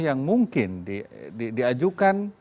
yang mungkin diajukan